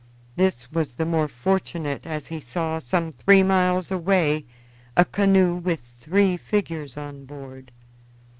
This was the more fortunate as he saw, some three miles away, a canoe with three figures on board.